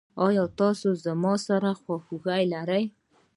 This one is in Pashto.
ایا تاسو زما سره خواخوږي لرئ؟